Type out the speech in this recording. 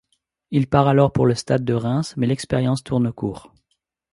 Il part alors pour le Stade de Reims mais l'expérience tourne court.